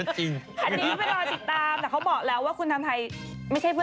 จริง